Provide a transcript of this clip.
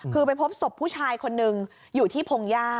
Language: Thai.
คือไปพบศพผู้ชายคนนึงอยู่ที่พงหญ้า